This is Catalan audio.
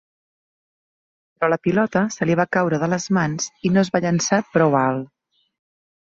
Però la pilota se li va caure de les mans i no es va llençar prou alt.